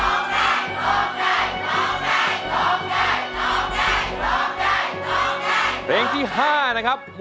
โทษใจโทษใจโทษใจโทษใจโทษใจโทษใจโทษใจ